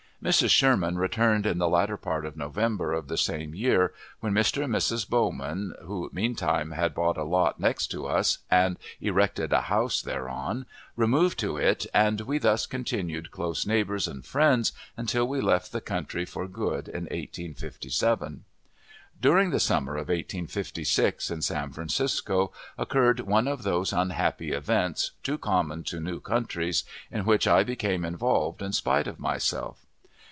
Mrs. Sherman returned in the latter part of November of the same year, when Mr. and Mrs. Bowman, who meantime had bought a lot next to us and erected a house thereon, removed to it, and we thus continued close neighbors and friends until we left the country for good in 1857. During the summer of 1856, in San Francisco, occurred one of those unhappy events, too common to new countries, in which I became involved in spite of myself.